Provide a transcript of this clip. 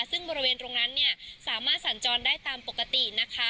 ซึ่งบริเวณตรงนั้นเนี่ยสามารถสัญจรได้ตามปกตินะคะ